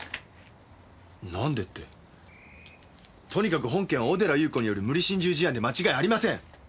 なんでってとにかく本件は小寺裕子による無理心中事案で間違いありません！